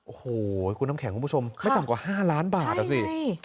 โอ้โหคุณน้ำแข็งคุณผู้ชมไม่ต่ำกว่า๕ล้านบาทอ่ะสิ